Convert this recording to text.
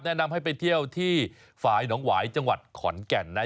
แนะนำให้ไปเที่ยวที่ฝ่ายหนองหวายจังหวัดขอนแก่นนะ